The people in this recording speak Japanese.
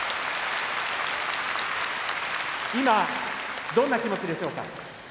今どんな気持ちでしょうか。